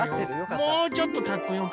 もうちょっとかっこよく。